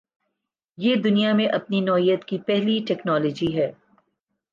یہ دنیا میں اپنی نوعیت کی پہلی ٹکنالوجی ہے۔